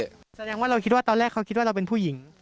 แสดงว่าเราคิดว่าตอนแรกเขาคิดว่าเราเป็นผู้หญิง